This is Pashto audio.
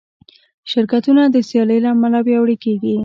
شرکتونه د سیالۍ له امله پیاوړي کېږي.